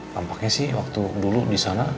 tampaknya sih waktu dulu disana